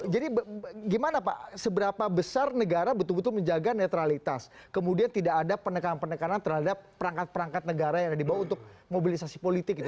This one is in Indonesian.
jadi gimana pak seberapa besar negara betul betul menjaga netralitas kemudian tidak ada penekanan penekanan terhadap perangkat perangkat negara yang dibawa untuk mobilisasi politik